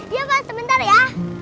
iya pak sebentar ya